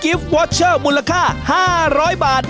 กิฟท์วอร์เชอร์มูลค่า๕๐๐บาท